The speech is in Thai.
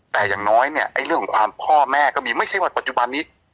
แต่อย่างน้อยเนี่ยเรื่องของความพ่อแม่ก็มีไม่ใช่ว่าปัจจุบันนี้